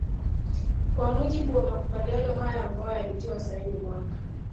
kwa mujibu wa makubaliano hayo ambayo yalitiwa saini mwaka